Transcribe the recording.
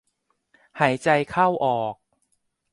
หายใจเข้าออก